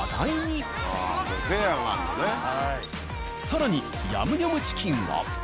更にヤンニョムチキンは。